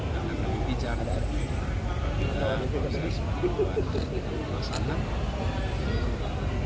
dalam lebih bicara kita harus melakukan perkembangan